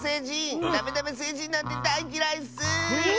ダメダメせいじんなんてだいっきらいッスー！